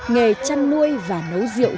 nghề chăn nuôi và nấu rượu